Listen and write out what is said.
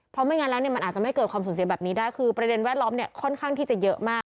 เพราะไม่งั้นแล้วเนี่ยมันอาจจะไม่เกิดความสูญเสียแบบนี้ได้คือประเด็นแวดล้อมเนี่ยค่อนข้างที่จะเยอะมาก